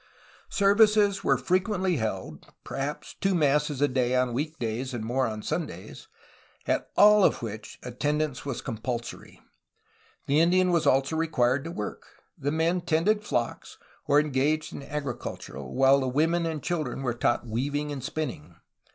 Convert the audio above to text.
Services were frequently held, — per haps two masses a day on week days and more on Sundays, at all of which attendance was compulsory. The Indian was also required to work. The men tended flocks, or engaged in agriculture, while the women and children were taught weav ing and spinning.